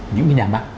những cái nhà mạng